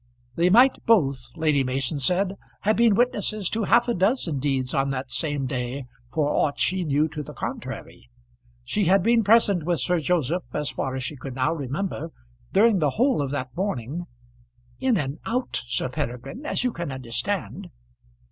They might both, Lady Mason said, have been witnesses to half a dozen deeds on that same day, for aught she knew to the contrary. She had been present with Sir Joseph, as far as she could now remember, during the whole of that morning, "in and out, Sir Peregrine, as you can understand."